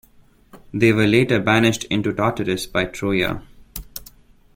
They were later banished into Tartarus by Troia.